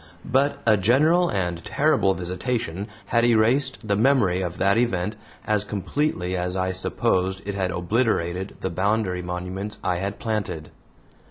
But a general and terrible visitation had erased the memory of that event as completely as I supposed it had obliterated the boundary monuments I had planted.